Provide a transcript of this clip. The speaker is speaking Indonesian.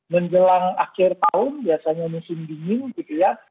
menjelang akhir tahun biasanya musim dingin gitu ya